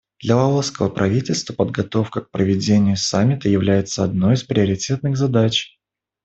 Для лаосского правительства подготовка к проведению Саммита является одной из приоритетных задач.